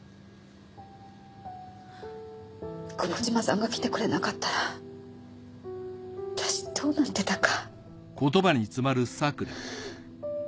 久保島さんが来てくれなかったら私どうなってたか。